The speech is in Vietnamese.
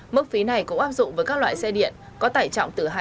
mức phí này cũng áp dụng với các loại xe đạp